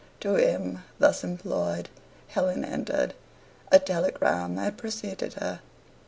To him thus employed Helen entered. A telegram had preceded her.